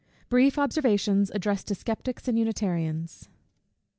_Brief Observations addressed to Sceptics and Unitarians.